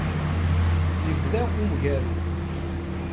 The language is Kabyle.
Yebda umgaru.